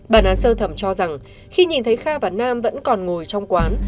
bản án sơ thẩm cho rằng khi nhìn thấy kha và nam vẫn còn ngồi trong quán